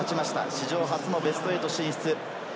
史上初のベスト８進出。